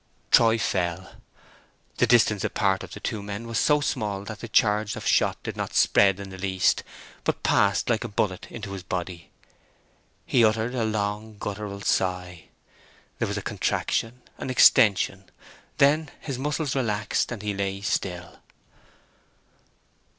Troy fell. The distance apart of the two men was so small that the charge of shot did not spread in the least, but passed like a bullet into his body. He uttered a long guttural sigh—there was a contraction—an extension—then his muscles relaxed, and he lay still.